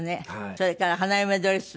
それから花嫁ドレス。